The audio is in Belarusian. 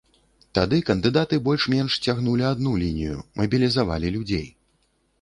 Тады кандыдаты больш-менш цягнулі адну лінію, мабілізавалі людзей.